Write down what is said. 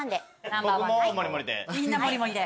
みんなもりもりで。